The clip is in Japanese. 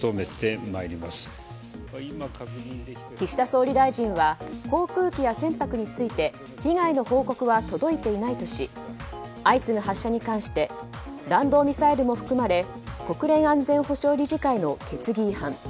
岸田総理大臣は航空機や船舶について被害の報告は届いていないとし相次ぐ発射に関して弾道ミサイルも含まれ国連安全保障理事会の決議違反。